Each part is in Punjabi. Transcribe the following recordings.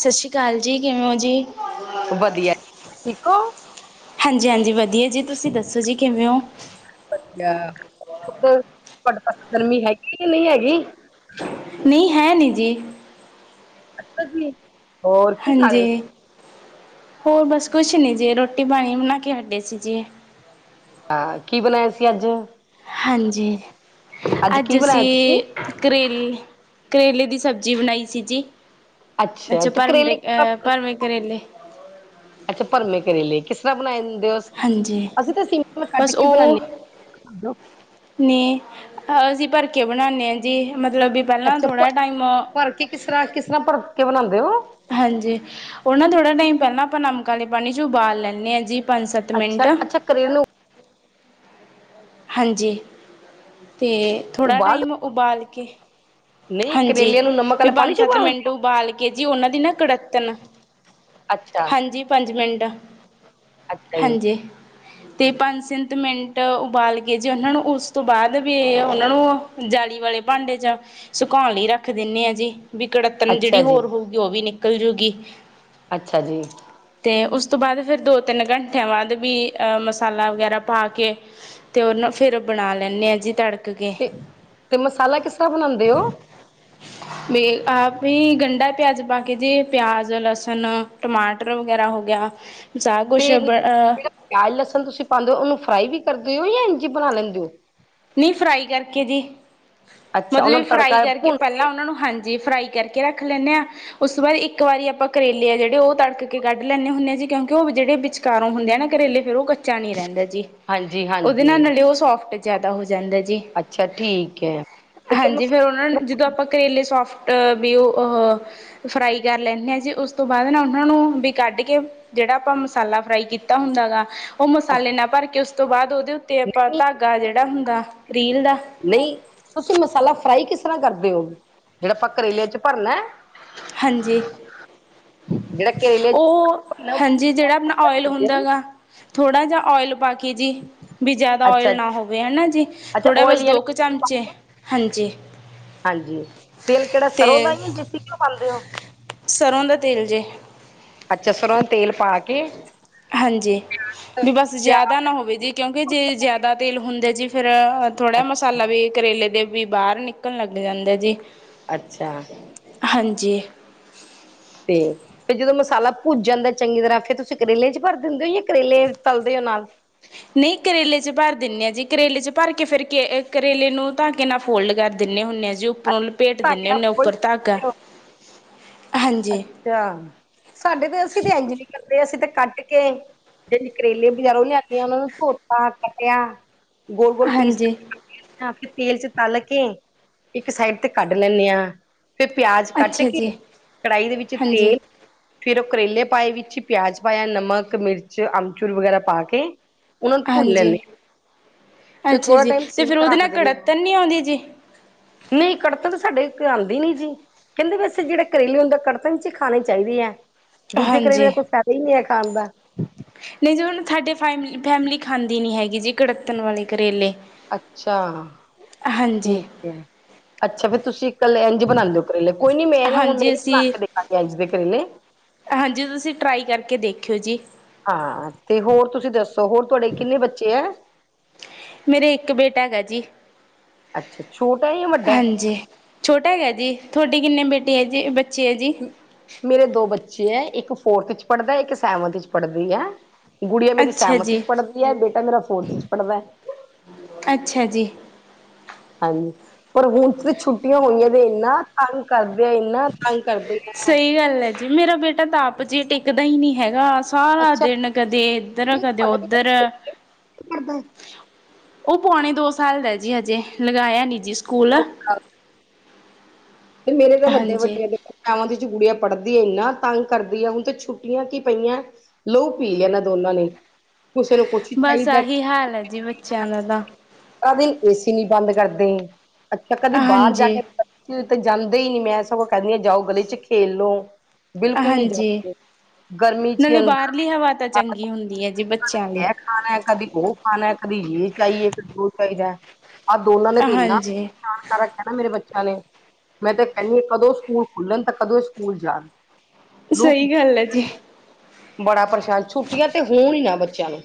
ਸਤਿ ਸ਼੍ਰੀ ਅਕਾਲ ਜੀ, ਕਿਵੇਂ ਓ ਜੀ? ਵਧੀਆ, ਠੀਕ ਓ? ਹਾਂਜੀ-ਹਾਂਜੀ ਵਧੀਆ ਜੀ, ਤੁਸੀਂ ਦੱਸੋ ਜੀ ਕਿਵੇਂ ਓ? ਵਧੀਆ, ਤੁਹਾਡੇ ਪਾਸੇ ਗਰਮੀ ਹੈਗੀ ਕ ਨਹੀਂ ਹੈਗੀ? ਨਹੀਂ ਹੈ ਨੀ ਜੀ। ਅੱਛਾ ਜੀ। ਹਾਂਜੀ, ਹੋਰ ਬਸ ਕੁਛ ਨਹੀਂ ਜੀ ਰੋਟੀ ਪਾਣੀ ਬਣਾ ਕੇ ਹਟੇ ਸੀ ਜੀ। ਅ ਕੀ ਬਣਾਇਆ ਸੀ ਅੱਜ? ਹਾਂਜੀ, ਕੀ ਅੱਜ ਬਣਾਇਆ ਤੁਸੀਂ ਅਸੀਂ ਕਰੇਲੇ, ਕਰੇਲੇ ਦੀ ਸਬਜ਼ੀ ਬਣਾਈ ਸੀ ਜੀ। ਅੱਛਾ ਵਿਚ ਤੇ ਭਰਮ ਕਰੇਲੇ ਅਹ ਕਿਸ ਭਰਵੇਂ ਕਰੇਲੇ। ਅੱਛਾ ਭਰਮੇ ਕਰੇਲੇ ਕਿਸਰਾ ਬਣਾਏ ਦੋ, ਹਾਂਜੀ ਅਸੀਂ ਤਾਂ ਸਿੰਪਲ ਕੱਟ ਬਸ ਕੇ ਬਣਾਨਦੇ ਅ ਨਹੀਂ, ਅਸੀਂ ਭਰਕੇ ਬਣਾਨੇ ਆ ਜੀ ਮਤਲਬ ਵੀ ਪਹਿਲਾਂ ਅੱਛਾ, ਭ ਥੋੜ੍ਹਾ ਟਾਈਮ ਭਰਕੇ ਕਿਸਰ੍ਹਾਂ, ਕਿਸਰ੍ਹਾਂ ਭਰਕੇ ਬਣਾਉਂਦੇ ਓ? ਹਾਂਜੀ, ਉਹ ਨਾ ਥੋੜ੍ਹਾ ਟਾਈਮ ਪਹਿਲਾਂ ਆਪਾ ਨਮਕ ਵਾਲੇ ਪਾਣੀ 'ਚ ਉਬਾਲ ਲੈਂਦੇ ਹਾਂ ਜੀ। ਪੰਜ ਸੱਤ ਮਿੰਟ ਅੱਛਾ-ਅੱਛਾ ਕਰੇਲੂ ਹਾਂਜੀ, ਤੇ ਥੋੜ੍ਹਾ ਉਬਾਲ ਟਾਈਮ ਉਬਾਲ ਕੇ ਨਹੀਂ ਹਾਂਜੀ, ਕਰੇਲਿਆਂ ਨੂੰ ਨਮਕ ਵੀ ਵਾਲੇ ਪਾਣੀ ਚ ਪੰਜ-ਸੱਤ ਉਬਾਲ ਮਿੰਟ ਉਬਾਲ ਕੇ ਜੀ ਉਹਨਾਂ ਦੀ ਨਾ ਕੜੱਤਣ ਅੱਛਾ ਹਾਂਜੀ ਪੰਜ ਮਿੰਟ, ਅੱਛਾ ਜੀ ਹਾਂਜੀ। ਤੇ ਪੰਜ-ਸੰਤ ਮਿੰਟ ਉਬਾਲ ਕੇ, ਜੇ ਉਹਨਾਂ ਨੂੰ ਉਸ ਤੋਂ ਬਾਅਦ ਵੀ ਉਹਨਾਂ ਨੂੰ ਜਾਲੀ ਵਾਲੇ ਭਾਂਡੇ ਜਾਂ ਸੁਕਾਉਣ ਲਈ ਰੱਖ ਦਿੰਦੇ ਆ ਜੀ, ਵੀ ਕੜੱਤਣ ਅੱਛਾ ਜਿਹੜੀ ਜੀ ਹੋਰ ਹੋਊਗੀ ਉਹ ਵੀ ਨਿਕਲ ਜੂਗੀ। ਅੱਛਾ ਜੀ। ਤੇ, ਉਸ ਤੋਂ ਬਾਅਦ ਫਿਰ ਦੋ-ਤਿੰਨ ਘੰਟਿਆਂ ਬਾਅਦ ਵੀ ਮਸਾਲਾ ਵਗੈਰਾ ਪਾ ਕੇ ਤੇ ਉਹਨੂੰ ਫੇਰ ਬਣਾ ਲੈਣੇ ਆ ਜੀ ਤੜਕ ਕੇ। ਤੇ ਤੇ ਮਸਾਲਾ ਕਿਸਰ੍ਹਾਂ ਬਣਾਉਂਦੇ ਓ? ਆਪ ਹੀ ਗੰਢਾ, ਪਿਆਜ ਪਾ ਕੇ ਜੇ ਪਿਆਜ, ਲਸਣ ਟਮਾਟਰ ਵਗੈਰਾ ਹੋ ਗਿਆ ਸ ਤੇ ਕੁਛ ਬ ਜਿਹੜਾ ਪਿਆਜ, ਲਸਣ ਤੁਸੀਂ ਪਾਉਂਦੇ ਓ ਉਹਨੂੰ ਫਰਾਈ ਵੀ ਕਰਦੇ ਓ ਜਾਂ ਇੰਜੀ ਬਣਾ ਲੈਂਦੇ ਓ? ਨਹੀਂ ਫਰਾਈ ਕਰਕੇ ਜੀ, ਅੱਛਾ ਉਹਨਾਂ ਮਤਲਬ ਨੂੰ ਫਰਾਈ ਤੜਕਾ ਕਰਕੇ ਭੁੰਨ ਪਹਿਲਾਂ ਕੇ ਉਹਨਾਂ ਨੂੰ ਹਾਂ ਜੀ ਫਰਾਈ ਕਰਕੇ ਰੱਖ ਲੈਣੇ ਆ। ੳਸ ਤੋਂ ਬਾਦ ਇੱਕ ਵਾਰੀ ਆਪਾਂ ਕਰੇਲੇ ਆ, ਜੇੜੇ ੳ ਤੜਕ ਕੇ ਕੱਢ ਲੈਨੇ ਹੁਨੇ ਆ ਜੀ, ਕਿਉਂਕਿ ੳਹ ਜੇੜੇ ਵਿੱਚ ਕਾਰੋਂ ਹੁੰਦੇ ਆ ਨਾ ਕਰੇਲੇ ਫੇਰ ੳਹ ਕੱਚਾ ਨੀ ਰੈੰਦਾ ਜੀ, ਹਾਂਜੀ ੳਦੇ ਨਾਲ ਹਾਂਜੀ ਨਾਲੇ ਓ ਸੋਫਟ ਜਾਦਾ ਹੋ ਜਾਂਦਾ ਜੀ। ਅੱਛਾ ਠੀਕ ਹੈ ਤੇ ਫਿਰ ਹਾਂਜੀ, ਫੇਰ ਮਸਾ ੳਨੂੰ ਜਦੋਂ ਆਪਾ ਕਰੇਲੇ ਸੋਫਟ ਵੀ ੳਹ ੳਹ ਫਰਾਈ ਕਰ ਲੈਨੇ ਆ ਜੀ, ੳਸ ਤੋਂ ਬਾਦ ਨਾ ੳਨਾਂ ਨੂੰ ਬਈ ਕੱਢ ਕੇ ਜੇੜਾ ਆਪਾਂ ਮਸਾਲਾ ਫਰਾਈ ਕੀਤਾ ਹੁੰਦਾ ਗਾ ੳਹ ਮਸਾਲੇ ਨਾਲ ਭਰ ਕੇ, ੳਸ ਤੋਂ ਬਾਦ ੳਦੇ ਉੱਤੇ ਆਪਾਂ ਧਾਗਾ ਜੇੜਾ ਹੁੰਦਾ, ਰੀਲ ਦਾ ਨਈ, ਤੁਸੀ ਮਸਾਲਾ ਫਰਾਈ ਕਿਸਰਾਂ ਕਰਦੇ ਓ, ਜੇੜਾ ਅਪਾਂ ਕਰੇਲੇਆਂ ਚ ਭਰਨਾ। ਹਾਂਜੀ। ਜਿਹੜਾ ਕਰੇਲੇ ੳਹ ਚ ਹਾਂਜੀ ਜੇੜਾ ਅਪਣਾ ਓਇਲ ਹੁੰਦਾ ਗਾ ਥੋੜਾ ਜਾ ਓਏਲ ਪਾ ਕੇ ਜੀ। ਵੀ ਜਾਦਾ ਅੱਛਾ ਓਏਲ ਜੀ ਨਾ ਹੋਵੇ ਹੈਨਾ ਜੀ, ਅੱਛਾ ਥੋੜਾ ਓਇਲ ਬਸ ਯਾਨੀ ਦੋ ਕੁ ਚਮਚੇ ਹਾਂਜੀ। ਹਾਂਜੀ, ਤੇਲ ਕੇੜਾ ਅਤੇ ਸਰੋਂ ਦਾ ਯਾ ਦੇਸੀ ਘਿਓ ਪਾਂਦੇ ਓ? ਸਰੋਂ ਦਾ ਤੇਲ ਜੀ। ਅੱਛਾ ਸਰੋਂ ਦਾ ਤੇਲ ਪਾ ਕੇ ਹਾਂਜੀ ਵੀ ਬਸ ਪਿਆਜ ਜਾਦਾ ਨਾ ਹੋਵੇ ਜੀ। ਕਿਉਂਕਿ ਜੇ ਜਾਦਾ ਤੇਲ ਹੁੰਦਾ ਜੀ ਫੇਰ ਥੋੜਾ ਅੱਛਾ, ਮਸਾਲਾ ਵੀ ਕਰੇਲੇ ਦੇ ਵੀ ਬਾਰ ਨਿਕਨ ਲੱਗ ਜਾਂਦਾ ਜੀ। ਅੱਛਾ। ਹਾਂਜੀ। ਤੇ ਫੇਰ ਜਦੋਂ ਮਸਾਲਾ ਭੁੱਜ ਜਾਂਦਾ ਚੰਗੀ ਤਰਾਂ ਫੇਰ ਤੁਸੀ ਕਰੇਲੇ ਚ ਭਰ ਦੇੰਦੇ ਯਾ ਕਰੇਲੇ ਤਲਦੇ ਆ ਨਾਲ ਨਈ ਕਰੇਲੇ ਚ ਭਰ ਦੇਨੇ ਆ ਜੀ, ਕਰੇਲੇ ਚ ਭਰ ਕੇ ਫੇਰ ਕੇ ਕਰੇਲੇ ਨੂੰ ਧਾਗੇ ਨਾਲ ਫੋਲਡ ਕਰ ਦਿਨੇ ਹੁੰਨੇ ਆ ਜੀ, ਉਪਰੋਂ ਲਪੇਟ ਦਿੰਨੇ ਹੁੰਦੇ ਉਪਰ ਧਾਗਾ, ਹਾਂਜੀ। ਅੱਛਾ। ਸਾਡੇ ਤੇ ਅਸੀ ਤੇ ਏੰਝ ਨੀ ਕਰਦੇ। ਅਸੀ ਤੇ ਕੱਟ ਕੇ ਜੇੜੇ ਕਰੇਲੇ ਬਜਾਰੋਂ ਲੇਆਨੀ ਆਂ ੳਨਾਂ ਨੂੰ ਧੋਤਾ, ਕੱਟੇਆ, ਗੋਲ-ਗੋਲ ਪੀਸ ਹਾਂਜੀ ਤੇਲ ਚ ਤਲ ਕੇ ਇੱਕ ਸਾਈਡ ਤੇ ਕੱਢ ਲੇਨੇ ਆ। ਫੇਰ ਪੇਆਜ਼ ਕੱਟ ਅੱਛਾ ਕੇ ਜੀ ਕੜਾਈ ਦੇ ਵਿੱਚ ਹਾਂਜੀ ਤੇਲ ਫੇਰ ੳਹ ਕਰੇਲੇ ਪਾਏ ਵਿੱਚ ਪੇਆਜ ਪਾਏਆ, ਨਮਕ, ਮਿਰਚ, ਅਮਚੁਰ ਵਗੈਰਾ ਪਾ ਕੇ ਉਹਨਾਂ ਨੂੰ ਭੁੰਨ ਹਾਂਜੀ, ਲੈਂਦੇ ਹਾਂ, ਫਿਰ ਅੱਛਾ ਥੋੜਾ ਜੀ। ਟਾਈਮ ਤੇ ਸਿਮ ਫੇਰ ੳਦੇ ਰੱਖ ਨਾਲ ਕੜੱਤਣ ਨੀ ਆਂਦੀ ਜੀ। ਨਈ ਕੜਤਨ ਸਾਡੇ ਤੇ ਆਂਦੀ ਨੀ ਜੀ। ਕਹੰਦੇ ਵੈਸੇ ਜੇੜੇ ਕਰੇਲੇ ਹੁੰਦਾ ਕੜਤਨ ਚ ਈ ਖਾਨੇ ਚਾਈਦੇ ਆ। ਦੂਜੇ ਕਰੇਲੇ ਕੋਈ ਫੈਦਾ ਈ ਨੀ ਹੈ ਖਾਨ ਦਾ। ਨਈ ਜੀ ੳ ਨਾ ਸਾਡੇ ਫੈਮ ਫੈਮਲੀ ਖਾਂਦੀ ਨੀ ਹੈਗੀ ਜੀ ਕੜੱਤਣ ਵਾਲੇ ਕਰੇਲੇ। ਅੱਛਾ, ਹਾਂਜੀ ਠੀਕ ਏ। ਅੱਛਾ, ਫੇਰ ਤੁਸੀ ਕਲੇ ਏੰਜ ਬਨਾਦੇ ੳ। ਕਰੇਲੇ, ਕੋਈ ਨੀ ਮੈਂ ਨਾ ਹੁਨ ਮੈਂ ਹਾਂਜੀ ਵੀ ਬਨਾ ਅਸੀਂ ਕੇ ਦੇਖਾਂਗੀ ਏੰਜ ਦੇ ਕਰੇਲੇ। ਹਾਂਜੀ ਤੁਸੀ ਟਰਾਈ ਕਰਕੇ ਦੇਖਿਓ ਜੀ। ਹਾਂ ਤੇ ਹੋਰ ਤੁਸੀ ਦੱਸੋ? ਹੋਰ ਤੁਹਾਡੇ ਕਿੰਨੇ ਬੱਚੇ ਏ? ਮੇਰੇ ਏਕ ਬੇਟਾ ਹੈਗਾ ਜੀ, ਅੱਛਾ ਛੋਟਾ ਹੈ ਜਾਂ ਵੱਡਾ ਹੈ ਹਾਂਜੀ। ਛੋਟਾ ਹੈਗਾ ਜੀ ਤੁਹਡੇ ਕਿੰਨੇ ਬੇਟੇ ਏ ਜੀ, ਬੱਚੇ ਐ ਜੀ? ਮੇਰੇ ਦੋ ਬੱਚੇ ਐ। ਇੱਕ ਫੋਰਥ ਚ ਪਢ਼ਦਾ, ਇੱਕ ਸੈਵਨਥ ਚ ਪਢ਼ਦੀ ਐ। ਗੁੜੀਆ ਮੇਰੀ ਅੱਛਾ ਸੈਵਨਥ ਜੀ ਚ ਪੜਦੀ ਐ, ਬੇਟਾ ਮੇਰਾ ਫੋਰਥ ਚ ਪੜਦਾ ਐ। ਅੱਛਾ ਜੀ। ਹਾਂਜੀ, ਪਰ ਹੁਣ ਤਾਂ ਛੁੱਟੀਆਂ ਹੋਣੀਆਂ ਤੇ ਇਨਾਂ ਤੰਗ ਕਰਦੇ ਆ, ਇਹਨਾ ਤੰਗ ਕਰਦੇ ਐ ਸਹੀ ਗੱਲ ਹੈ ਜੀ ਮੇਰਾ ਬੇਟਾ ਤਾਂ ਆਪ ਜੇ, ਟਿਕਦਾ ਹੀ ਨਹੀਂ ਹੈਗਾ ਸਾਰਾ ਅੱਛਾ ਦਿਨ ਕਦੇ ਇੱਧਰ, ਕਦੇ ਤੁਹਾਡਾ ਉਧਰ ਉਹ ਪੁਆਣੇ ਦੋ ਸਾਲ ਦਾ ਜੀ ਹਜੇ, ਲਗਾਇਆ ਨੀ ਜੀ ਸਕੂਲ ਤੇ, ਮੇਰੇ ਤਾਂ ਹਾਂਜੀ ਵੱਡੇ-ਵੱਡੇ ਹੈਗੇ। ਗਿਆਰਵੀਂ 'ਚ ਗੁੜੀਆਂ ਪੜ੍ਹਦੀ ਹੈ, ਇੰਨਾ ਤੰਗ ਕਰਦੀ ਹੈ। ਹੁਣ ਤੇ ਛੁੱਟੀਆਂ ਕੀ ਪਈਆਂ ਲੋਹ ਪੀ ਲਿਆ ਇਨਾ ਦੋਨਾਂ ਨੇ, ਕਿਸੇ ਨੂੰ ਕੁਛ ਬਸ ਚਾਹੀਦਾ ਆਹੀ ਹਾਲ ਹੈ ਜੀ, ਬੱਚਿਆਂ ਦਾ ਤਾਂ ਕਦੀ ਏਸੀ ਨੀ ਬੰਦ ਕਰਦੇ, ਅੱਛਾ ਕਦੀ ਬਾਹਰ ਜਾ ਹਾਂਜੀ ਕੇ ਤਾਂ ਜਾਂਦੇ ਹੀ ਨੀ, ਮੈਂ ਸਗੋਂ ਕਹਿੰਦੀ 'ਹ ਜਾਓ, ਗਲੀ 'ਚ ਖੇਲ ਲੋ ਬਿਲਕੁਲ ਨਹੀਂ ਹਾਂਜੀ ਜਾਂਦੇ। ਗਰਮੀ ਚ ਨਾਲੇ ਅੰਦਰ ਬਾਹਰਲੀ ਹਵਾ ਤਾਂ ਚੰਗੀ ਹੁੰਦੀ ਹੈ ਜੀ, ਬੱਚਿਆਂ ਲਈ ਇਹ ਖਾਣਾ, ਕਦੀ ਉਹ ਖਾਣਾ, ਕਦੀ ਯ ਚਾਹੀਏ, ਕਦੀ ਉਹ ਚਾਹੀਦਾ ਆਹ ਦੋਨਾਂ ਨੇ ਤਾਂ ਇਨਾ, ਹਾਂਜੀ ਪਰੇਸ਼ਾਨ ਕਰ ਰੱਖਿਆ ਨਾ ਮੇਰੇ ਬੱਚਿਆਂ ਨੇ, ਮੈਂ ਤਾਂ ਕਹਿੰਨੀ ਹ ਕਦੋਂ ਸਕੂਲ ਖੁੱਲਣ, ਤਾਂ ਕਦੋਂ ਇਹ ਸਕੂਲ ਜਾਣ ਲੂ ਪੀ ਸਹੀ ਗੱਲ ਹੈ ਜੀ। ਬੜਾ ਪਰੇਸ਼ਾਨ, ਛੁੱਟੀਆਂ ਤੇ ਹੋਣ ਹੀ ਨਾ ਬੱਚਿਆਂ ਨੂੰ।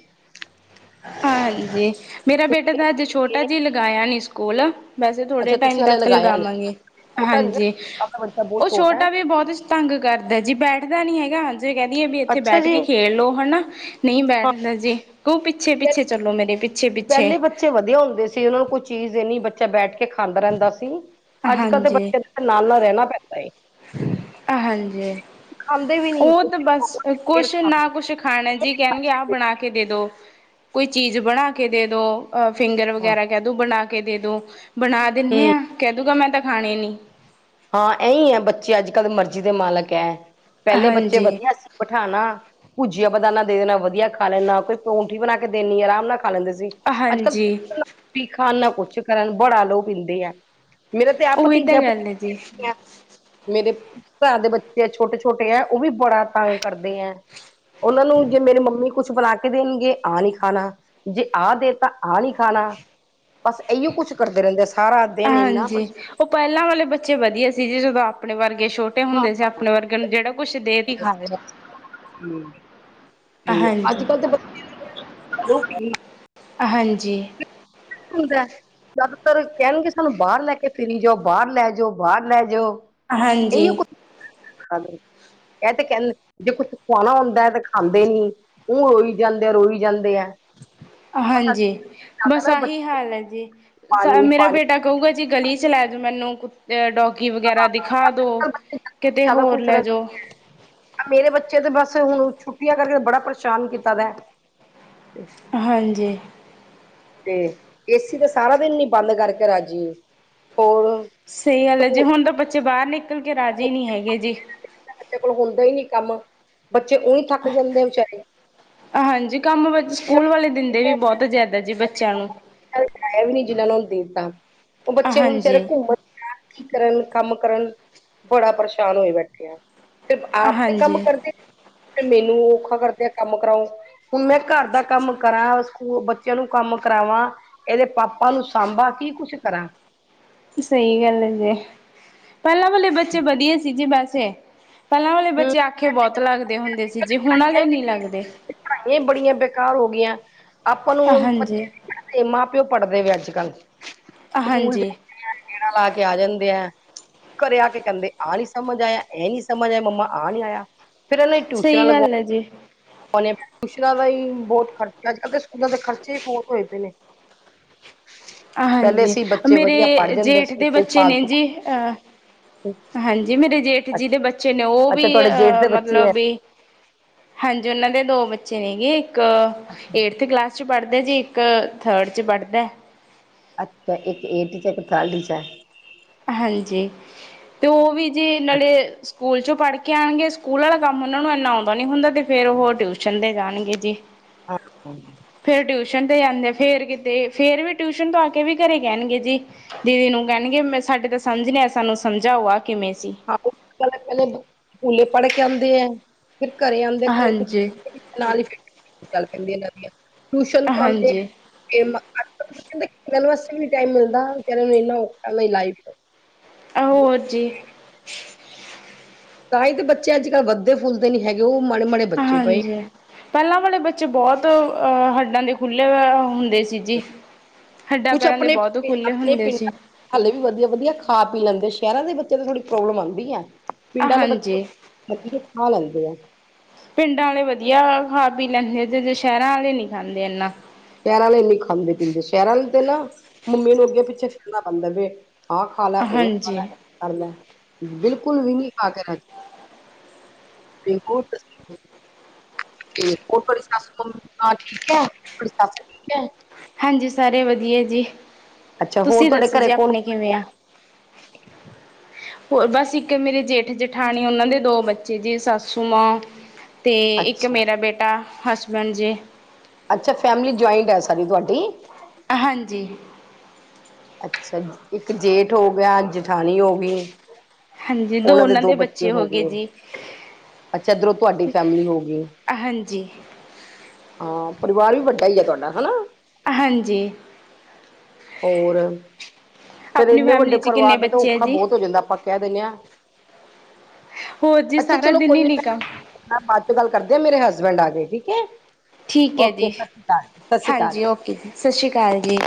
ਹਾਂਜੀ, ਮੇਰਾ ਬੇਟਾ ਤਾਂ ਹਜੇ ਛੋਟਾ ਛੁੱਟੀਆਂ ਜਿ, ਲਗਾਇਆ ਨੀ ਸਕੂਲ ਵੈਸੇ ਥੋੜੇ ਅੱਛਾ ਟਾਈਮ ਤੁਸੀਂ ਹਲੇ ਤੱਕ ਲਗਾਇਆ ਨੀ ਲਗਾਲਾਂਗੇ, ਛੋਟਾ ਵੀ ਨਾ ਹਾਂਜੀ, ਆਪਣਾ ਬੱਚਾ ਬਹੁਤ ਉਹ ਹੈ ਛੋਟਾ ਵੀ ਬਹੁਤ ਤੰਗ ਕਰਦਾ ਜੀ, ਬੈਠਦਾ ਨੀ ਹੈਗਾ। ਦੇ ਕਹਿੰਦੀਏ ਵੀ, ਇੱਥੇ ਅੱਛਾ ਬੈਠ ਜੀ ਕੇ ਖੇਡ ਲੋ ਹਨਾ, ਨਹੀਂ ਹਾਂ ਬੈਠਦਾ ਜੀ, ਉਹ ਪਿੱਛੇ ਚਲੋ ਮੇਰੇ, ਪਿੱਛੇ-ਪਿੱਛੇ। ਪਹਿਲੇ ਬੱਚੇ ਵਧੀਆ ਹੁੰਦੇ ਸੀ, ਉਹਨਾਂ ਨੂੰ ਕੋਈ ਚੀਜ਼ ਦੇਣੀ, ਬੱਚਾ ਬੈਠ ਕੇ ਖਾਂਦਾ ਰਹਿੰਦਾ ਸੀ। ਅੱਜ ਕੱਲ੍ਹ ਦੇ ਹਾਂਜੀ ਬੱਚੇ ਨਾਲ-ਨਾਲ ਰਹਿਣਾ ਪੈਂਦਾ ਏ। ਹਾਂਜੀ, ਖਾਂਦੇ ਵੀ ਨੀ ਉਹ ਤਾਂ ਬਸ, ਫੇਰ ਕੁਛ ਖਾਣਗੇ ਨਾ ਕੁਛ ਖਾਣਾ ਜੀ ਕਹਿਣਗੇ, ਆ ਬਣਾ ਕੇ ਦੇ ਦੋ, ਕੋਈ ਚੀਜ਼ ਬਣਾ ਕੇ ਦੇ ਦੋ। ਅਹ, ਫਿੰਗਰ ਹਾਂ ਵਗੈਰਾ ਕਹਿ ਦਉ ਬਣਾ ਕੇ ਦੇ ਦਉ, ਬਣਾ ਦਿੰਦੇ ਹੂੰ ਹਾਂ, ਕਹਿ ਦਊਗਾ ਮੈਂ ਤਾਂ ਖਾਣੇ ਨਹੀਂ। ਹਾਂ, ਇਹੀ ਹੈ ਬੱਚੇ ਅੱਜ ਕੱਲ੍ਹ ਮਰਜ਼ੀ ਦੇ ਮਾਲਕ ਹੈ। ਪਹਿਲੇ ਬੱਚੇ ਹਾਂਜੀ। ਵਧੀਆ ਸੀ। ਬਿਠਾਣਾ, ਭੁਜੀਆ-ਬਦਾਨਾ ਦੇ ਦੇਣਾ ਵਧੀਆ ਖਾ ਲੈਦਾ, ਕੋਈ ਪਰੌਂਠੀ ਬਣਾ ਕੇ ਦੇਣੀ, ਆਰਾਮ ਨਾਲ ਖਾ ਲੈਂਦੇ ਸੀ। ਅੱਜ ਕੱਲ ਹਾਂਜੀ ਨਾ ਰੋਟੀ ਖਾਣ, ਨਾ ਕੁਛ ਕਰਨ, ਬੜਾ ਲੋਹੁ ਪੀਂਦੇ ਆ। ਮੇਰਾ ਤੇ, ਆਪ ਉਹੀ ਤਾਂ ਗੱਲ ਹੈ ਭਤੀਜਾ-ਭਤੀਜੀ ਜੀ ਐਵੀਂ ਆ। ਮੇਰੇ ਭਰਾ ਦੇ ਬੱਚੇ, ਛੋਟੇ-ਛੋਟੇ ਹੈ, ਉਹ ਵੀ ਬੜਾ ਤੰਗ ਕਰਦੇ ਹੈ। ਉਹਨਾਂ ਨੂੰ ਜੇ ਮੇਰੀ ਮੰਮੀ ਕੁਛ ਬੁਣਾ ਕੇ ਦੇਣਗੇ, ਆਹ ਨਹੀਂ ਖਾਣਾ, ਜੇ ਆਹ ਦੇਤਾ, ਆਹ ਨਹੀਂ ਖਾਣਾ। ਬਸ, ਇਹੀਓ ਕੁੱਛ ਕਰਦੇ ਰਹਿੰਦੇ। ਸਾਰਾ ਦਿਨ ਇੰਨਾ ਹਾਂਜੀ, ਉਹ ਪਹਿਲਾਂ ਵਾਲੇ ਬੱਚੇ ਵਧੀਆ ਸੀ, ਜੀ ਜਦੋਂ ਆਪਣੇ ਵਰਗੇ ਛੋਟੇ ਛੋਟੇ ਹਾਂ ਹੁੰਦੇ ਸੀ ਆਪਣੇ ਵਰਗਿਆਂ ਨੂੰ, ਜਿਹੜਾ ਕੁਛ ਦੇ ਤੀ, ਖਾ ਲਿਆ ਬਸ। ਤੇ, ਅੱਜ ਕੱਲ੍ਹ ਦੇ ਬੱਚਿਆਂ ਨੇ ਤੇ ਲਹੁ ਪੀ ਹਾਂਜੀ। ਹੁੰਦਾ, ਜ਼ਿਆਦਾਤਰ ਕਹਿਣਗੇ ਸਾਨੂੰ ਬਾਹਰ ਲੈ ਕੇ ਫਿਰੀ ਜਾਓ, ਬਾਹਰ ਲੈ ਜਾਓ, ਬਾਹਰ ਲੈ ਜਾਓ। ਹਾਂਜੀ। ਇਹੀਓ ਇਹ ਤੇ ਕਹਿੰਦ, ਜੇ ਕੁੱਛ ਖਵਾਣਾ ਹੁੰਦਾ ਹੈ, ਤੇ ਖਾਂਦੇ ਨੀ। ਉਹ ਰੋਈ ਜਾਂਦੇ ਆਂ, ਰੋਈ ਜਾਂਦੇ ਆ। ਬਸ ਹਾਂਜੀ, ਬਸ ਨਾ ਆਹੀ ਬੱਚੇ ਹਾਲ ਹੈ ਜੀ, ਪਾਣੀ ਮੇਰਾ ਪਾਣੀ ਬੇਟਾ ਕਹੂੰਗਾ ਜੀ, ਗਲੀ 'ਚ ਲੈ ਜਾਓ ਮੈਨੂੰ ਡੋਗੀ ਵਗੈਰਾ ਦਿਖਾ ਦੋ ਕਿਤੇ ਹੋਰ ਲੈ ਜੋ। ਅਹ ਮੇਰੇ ਬੱਚੇ ਤੇ ਬਸ ਹੁਣ ਛੁੱਟੀਆਂ ਕਰਕੇ ਬੜਾ ਪਰੇਸ਼ਾਨ ਕੀਤਾ ਦਾ। ਹਾਂਜੀ! ਤੇ ਏਸੀ ਤੇ ਸਾਰਾ ਦਿਨ ਨੀ ਬੰਦ ਕਰਕੇ ਰਾਜ਼ੀ ਹੋਰ। ਸਹੀ ਗੱਲ ਐ ਜੀ ਸਕੂ ਹੁਣ ਤਾਂ ਬੱਚੇ ਬਾਹਰ ਨਿਕਲ ਕੇ ਰਾਜ਼ੀ ਨਹੀਂ ਹੈਗੇ ਜੀ। ਬੱਚੇ ਕੋਲ ਹੁੰਦਾ ਹੀ ਨੀ ਕੰਮ ਬੱਚੇ ਉਹੀਂ ਥੱਕ ਜਾਂਦੇ ਵਿਚਾਰੇ। ਹਾਂਜੀ! ਕੰਮ ਬ ਸਕੂਲ ਵਾਲੇ ਦਿੰਦੇ ਵੀ ਬਹੁਤ ਜ਼ਿਆਦਾ ਜੀ ਬੱਚਿਆਂ ਨੂੰ। [unintelligible] ਜਿਹਨਾ ਉਹਨਾਂ ਨੂੰ ਦੇ ਦਿੱਤਾ ਉਹ ਬੱਚੇ ਹੁਣ ਵਿਚਾਰੇ ਹਾਂਜੀ। ਘੁੰਮਣ। ਕਿ ਕਰਨ ਕੰਮ ਕਰਨ ਬੜਾ ਪਰੇਸ਼ਾਨ ਹੋਏ ਬੈਠੇ ਆਂ। ਫੇਰ ਆਪ ਤੇ ਕੰਮ ਹਾਂਜੀ ਕਰਦੇ ਨਹੀਂ ਫੇਰ ਮੈਨੂੰ ਵੀ ਔਖਾ ਕਰਦੇ ਆਂ ਕੰਮ ਕਰਾਓ। ਹੁਣ ਮੈਂ ਘਰ ਦਾ ਕੰਮ ਕਰਾਂ ਸਕੂਲ ਬ ਬੱਚਿਆਂ ਨੂੰ ਕੰਮ ਕਰਾਵਾਂ, ਇਹਦੇ ਪਾਪਾ ਨੂੰ ਸਾਂਭਾ, ਕੀ ਕੁਛ ਕਰਾਂ। ਸਹੀ ਗੱਲ ਹੈਗੀ ਏ ਪਹਿਲਾਂ ਵਾਲੇ ਬੱਚੇ ਵਧੀਆ ਸੀ ਜੀ ਵੈਸੇ। ਪਹਿਲਾਂ ਵਾਲੇ ਹੂੰ ਬੱਚੇ ਆਖੇ ਬਹੁਤ ਲੱਗਦੇ ਹੁੰਦੇ ਸੀ ਜੀ ਹੁਣ ਵਾਲੇ ਨਹੀਂ ਲੱਗਦੇ। ਇਹ ਬੜੀਆਂ ਬੇਕਾਰ ਹੋ ਗਈਆਂ ਆਪਾਂ ਨੂੰ ਹਾਂਜੀ ਬੱਚੇ ਨੀ ਪੜ੍ਹਦੇ ਮਾਂ ਪਿਓ ਪੜ੍ਹਦੇ ਨੇ ਅੱਜ ਕੱਲ੍ਹ। ਸਕੂਲ ਹਾਂਜੀ! ਜਾਂਦੇ ਆ ਗੇੜਾ ਲਾ ਕੇ ਆ ਜਾਂਦੇ ਆ। ਘਰੇ ਆ ਕੇ ਕਹਿੰਦੇ ਆਹ ਨੀ ਸਮਝ ਆਇਆ, ਇਹ ਨੀ ਸਮਝ ਆਇਆ, ਮੰਮਾ ਆਹ ਨੀ ਆਇਆ, ਫਿਰ ਇਹਨਾਂ ਦੀਆਂ ਟਿਊਸ਼ਨਾਂ। ਲੈ ਜੀ। ਹੁਣ ਇਹ ਟਿਊਸ਼ਨਾਂ ਦਾ ਵੀ ਬਹੁਤ ਖਰਚਾ ਅੱਜ ਕੱਲ੍ਹ ਤੇ ਸਕੂਲਾਂ ਦੇ ਖ਼ਰਚੇ ਹੀ ਬਹੁਤ ਹੋਏ ਪਏ ਨੇ। ਪਹਿਲੇ ਹਾਂਜੀ ਸੀ ਬੱਚੇ ਵਧੀਆ ਪੜ੍ਹ ਮੇਰੇ ਜਾਂਦੇ ਜੇਠ ਸੀ ਦੇ ਕੋਈ ਬੱਚੇ ਨੇ ਫਾਲਤੂ। ਜੀ ਅਹ ਹਾਂਜੀ! ਮੇਰੇ ਜੇਠ ਜੀ ਅੱਛਾ ਦੇ ਬੱਚੇ ਨੇ ਉਹ ਵੀ ਅੱਛਾ, ਤੁਹਾਡੇ ਜੇਠ ਅ ਦੇ ਬੱਚੇ ਮਤਲਬ ਹੈ ਵੀ। ਹਾਂਜੀ! ਉਹਨਾਂ ਦੇ ਦੋ ਬੱਚੇ ਹੈਗੇ ਇੱਕ ਏਠਥ ਕਲਾਸ 'ਚ ਪੜ੍ਹਦਾ ਜੀ ਇੱਕ ਥਰਡ 'ਚ ਪੜ੍ਹਦਾ। ਅੱਛਾ! ਇੱਕ ਏਟਥ 'ਚ ਇੱਕ ਥਰਡ 'ਚ ਐ। ਹਾਂਜੀ ਤੇ ਉਹ ਵੀ ਜੀ ਨਾਲੇ ਅੱਛਾ ਸਕੂਲ ਚੋਂ ਪੜ੍ਹ ਕੇ ਆਉਣਗੇ ਸਕੂਲ ਵਾਲਾ ਕੰਮ ਉਹਨਾਂ ਨੂੰ ਇਨਾ ਆਉਂਦਾ ਨੀ ਹੁੰਦਾ ਤੇ ਫਿਰ ਉਹ ਟਿਊਸ਼ਨ ਤੇ ਜਾਣਗੇ ਜੀ ਹਾਂ ਹ ਫੇਰ ਟਿਊਸ਼ਨ ਤੇ ਜਾਂਦੇ ਫੇਰ ਕਿਤੇ ਫੇਰ ਵੀ ਟਿਊਸ਼ਨ ਤੋਂ ਆ ਕੇ ਵੀ ਘਰੇ ਕਹਿਣਗੇ ਜੀ ਦੀਦੀ ਨੂੰ ਕਹਿਣਗੇ ਮੈਂ ਸਾਡੇ ਤਾਂ ਸਮਝ ਨਹੀਂ ਆਯਾ ਸਾਨੂੰ ਸਮਝਾਓ ਆ ਕਿਵੇਂ ਸੀ ਹ ਪ ਪਹਿਲੇ ਸਕੂਲੇ ਪੜ੍ਹ ਕੇ ਆਉਂਦੇ ਐ ਫਿਰ ਘਰੇ ਆਉਂਦੇ ਪਏ ਹਾਂਜੀ। ਫਿਰ ਨਾਲ ਹੀ ਚੱਲ ਪੈਂਦੀਆਂ ਇਹਨਾ ਦੀਆਂ ਟਊਸ਼ਨ ਪੜਦੇ ਹਾਂਜੀ ਨੇ [unintelligible] ਖੇਲਨ ਵਾਸਤੇ ਵੀ ਨ ਟਾਈਮ ਮਿਲਦਾ ਕਹਿ ਨੂੰ ਇੰਨਾ ਔਖਾ ਮੇਰੀ ਲਾਈਫ ਚ ਆਹੋ ਜੀ ਤਾਂ ਹੀ ਤੇ ਬੱਚੇ ਅੱਜ ਕੱਲ੍ਹ ਵਧਦੇ ਫੁੱਲਦੇ ਨੀ ਹੈਗੇ ਉਹ ਮਾੜੇ ਮਾੜੇ ਬੱਚੇ ਪਏ ਹਾਂਜੀ। ਪਹਿਲਾਂ ਵਾਲੇ ਬੱਚੇ ਬਹੁਤ ਹੱਡਾਂ ਦੇ ਖੁਲੇ ਹੋਏ ਹੁੰਦੇ ਸੀ ਜੀ ਹੱਡਾਂ ਕੁਛ ਪੈਰਾਂ ਦੇ ਆਪਣੇ ਬਹੁਤ ਖੁੱਲ੍ਹੇ ਆਪਣੇ ਹੁੰਦੇ ਸੀ ਪਿੰਡਾਂ ਹਾਲੇ ਵੀ ਵਧੀਆ ਵਧੀਆ ਖਾ ਪੀ ਲੈਂਦੇ ਸ਼ਹਿਰਾਂ ਦੇ ਬੱਚਿਆਂ ਨੂੰ ਥੋੜੀ ਪ੍ਰੋਬਲਮ ਆਉਂਦੀ ਐ ਪਿੰਡਾ ਆਲੇ ਬੱਚੇ ਹਾਂਜੀ। ਬੱਚੇ ਹਲੇ ਵੀ ਕੁਛ ਖਾ ਲੈਂਦੇ ਆ ਪਿੰਡਾਂ ਵਾਲੇ ਵਧੀਆ ਖਾ ਪੀ ਲੈਂਦੇ ਆ ਜ ਜੇ ਸ਼ਹਿਰਾਂ ਵਾਲੇ ਨਹੀਂ ਖਾਂਦੇ ਇਨਾਂ ਸ਼ਹਿਰਾਂ ਵਾਲੇ ਖਾਂਦੇ ਪੀਂਦੇ ਸ਼ਹਿਰਾਂ ਤੇ ਨਾ ਮੰਮੀ ਨੂੰ ਅੱਗੇ ਪਿੱਛੇ ਫਿਰਨਾ ਪੈਂਦਾ ਵੇ ਆਹ ਖਾ ਲੈ ਉਹ ਖਾ ਹਾਂਜੀ ਲੈ ਉਹ ਕਰ ਲੈ ਬਿਲਕੁਲ ਵੀ ਨੀ ਖਾ ਕੇ ਰਾਜੀ ਤਿਲਕੁਟ ਤੇ ਔ ਤੁਹਾਡੀ ਸੱਸ ਮੰਮੀ ਠੀਕ ਹੈ ਤੁਹਾਡੀ ਸੱਸ ਠੀਕ ਆ ਹਾਂਜੀ ਸਾਰੇ ਵਧੀਆ ਜੀ। ਅੱਛਾ ਹੋਰ ਤੁਸੀਂ ਤੁਹਾਡੇ ਦੱਸੋ ਘਰੇ ਜੀ ਕੌਣ ਆਪਣੇ ਕੌਣ ਕਿਵੇਂ ਆ। ਹੋਰ ਬਸ ਇੱਕ ਮੇਰੇ ਜੇਠ ਜੇਠਾਣੀ ਉਹਨਾਂ ਦੇ ਦੋ ਬੱਚੇ ਜੇ ਸਾਸੁ ਮਾਂ। ਤੇ ਹੈਗਾ ਇੱਕ ਅੱਛਾ ਮੇਰਾ ਬੇਟਾ ਹਸਬੈਂਨ ਜੇ। ਅੱਛਾ ਫੈਮਿਲੀ ਜੁਆਇੰਢ ਹੈ ਸਾਡੀ ਤੁਹਾਡੀ। ਹਾਂਜੀ। ਅੱਛਾ ਜੀ ਇੱਕ ਜੇਠ ਹੋ ਗਿਆ। ਅਜ ਠਾਣੀ ਹੋ ਗਈ ਉਹਨਾਂ ਦੇ ਦੋ ਬੱਚੇ ਹੋ ਗਏ। ਅੱਛਾ ਇਧਰੋਂ ਤੁਹਾਡੀ ਫੈਮਿਲੀ ਹੋ ਗਈ। ਹਾਂਜੀ ਹਾਂ ਪਰਿਵਾਰ ਵੀ ਵੱਡਾਹੀ ਆ ਤੁਹਾਡਾ ਹਨਾ। ਹਾਂਜੀ। ਔਰ। ਫੇਰ ਆਪਣੀ ਇੰਨੇ ਫੈਮਿਲੀ 'ਚ ਕਿੰਨੇ ਪਰਿਵਾਰ ਦਾ ਤਾਂ ਬੱਚੇ ਹੈ ਔਖਾ ਜੀ ਬਹੁਤ ਹੋ ਜਾਂਦਾ ਆਪਾਂ ਕਹਿ ਦਿੰਨੇ ਹਾਂ। ਹੋਰ ਜੀ ਸਾਰਾ ਦਿਨ ਹੀ ਨਿਕਾ। ਆਪ ਬਾਅਦ ਚੋਂ ਗੱਲ ਕਰਦੀ ਆ ਮੇਰੇ ਹਸਬੈਂਡ ਆ ਗਏ ਠੀਕ ਹੈ। ਠੀਕ ਹੈ ਓਕੇ ਜੀ ਸਤਿ ਸ਼੍ਰੀ ਅਕਾਲ ਸਤਿ ਸ਼੍ਰੀ ਅਕਾਲ ਹਾਂਜੀ ਓਕੇ ਜੀ ਸਤਿ ਸ਼੍ਰੀ ਅਕਾਲ ਜੀ।